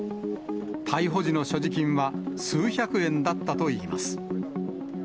逮捕時の所持金は数百円だったといいます。